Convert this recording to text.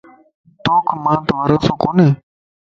توکَ مانت بھروسو ڪوني؟